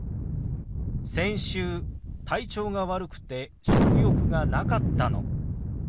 先週体調が悪くて食欲がなかったの。